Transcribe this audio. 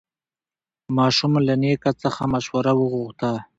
ماشوم له نیکه څخه مشوره وغوښته